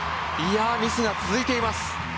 ミスが続いています。